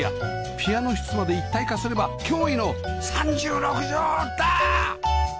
ピアノ室まで一体化すれば驚異の３６畳だ！